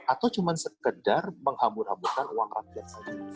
atau cuma sekedar menghambur hamburkan uang rakyat sendiri